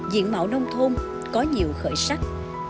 diện mạo nông thôn có nhiều khởi sắc